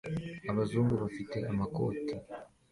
Abazungu bafite amakoti